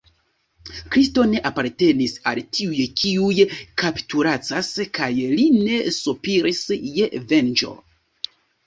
Kristo ne apartenis al tiuj, kiuj kapitulacas, kaj li ne sopiris je venĝo.